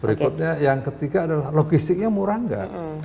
berikutnya yang ketiga adalah logistiknya murah nggak